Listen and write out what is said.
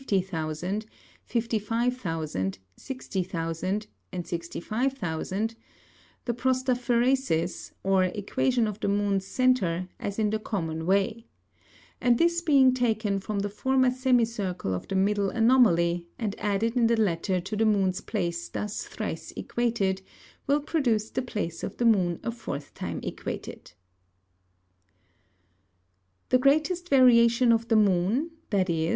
_ 45000, 50000, 55000, 60000, and 65000) the Prostaphæresis, or Equation of the Moon's Centre, as in the common way: And this being taken from the former Semi circle of the middle Anomaly, and added in the latter to the Moon's Place thus thrice equated, will produce the Place of the Moon a fourth time equated. The greatest Variation of the Moon (_viz.